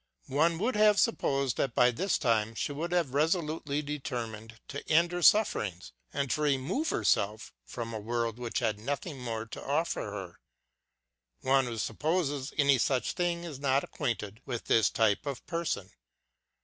One would suppose that by this time she would have resolutely determined to end her sufferings and remove herself from a world which had nothing more to offer her. One who supposes any such thing is not acquainted with this type of person.